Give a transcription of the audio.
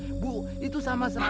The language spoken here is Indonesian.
ibu itu sama sama